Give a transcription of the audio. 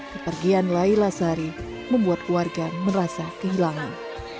kepergian laila sari membuat keluarga merasa kehilangan